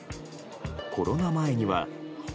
コロナ前には。